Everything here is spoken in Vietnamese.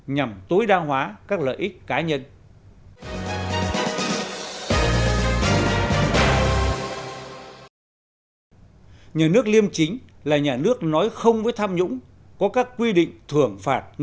nhằm tối đa hóa các lợi ích cá nhân